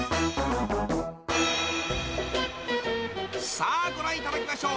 ［さあご覧いただきましょう。